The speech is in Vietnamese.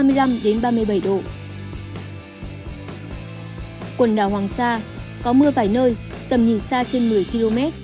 quần đảo hoàng sa có mưa vài nơi tầm nhìn xa trên một mươi km